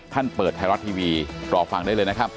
ท่านเปิดไทยรัฐทีวีรอฟังได้เลยนะครับ